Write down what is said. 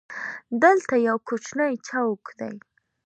دلته یو کوچنی چوک دی.